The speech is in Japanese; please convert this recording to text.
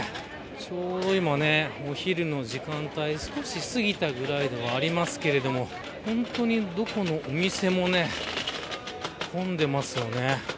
ちょうど今、お昼の時間帯少し過ぎたくらいでありますけど本当に、どこのお店も混んでますよね。